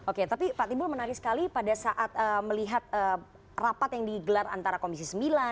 oke tapi pak timbul menarik sekali pada saat melihat rapat yang digelar antara komisi sembilan